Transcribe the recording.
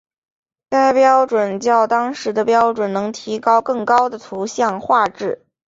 该标准较当时的标准能提升更高的图像画质。